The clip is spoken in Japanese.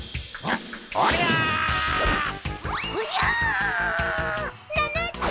おじゃ！